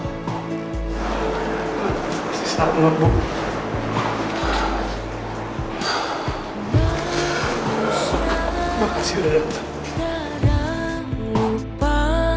masih sangat mampu